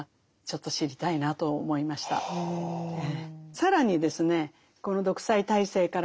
更にですね